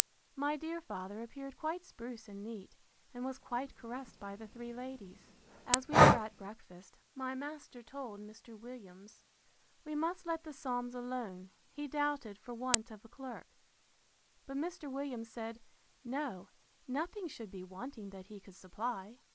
My dear father appeared quite spruce and neat, and was quite caressed by the three ladies. As we were at breakfast, my master told Mr. Williams, We must let the Psalms alone, he doubted, for want of a clerk: but Mr. Williams said, No, nothing should be wanting that he could supply.